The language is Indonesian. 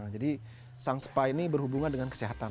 jadi sang sepah ini berhubungan dengan kesehatan